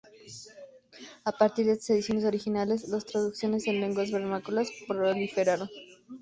A partir de estas ediciones originales, las traducciones en lenguas vernáculas proliferaron.